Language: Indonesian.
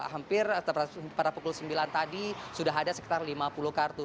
hampir pada pukul sembilan tadi sudah ada sekitar lima puluh kartu